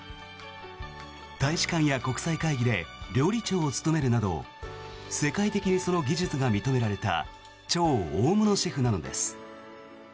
大使館や国際会議で料理長を務めるなど世界的にその技術が認められた超大物シェフなのです。